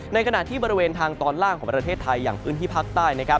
ในขณะที่บริเวณทางตอนล่างของประเทศไทยอย่างพื้นที่ภาคใต้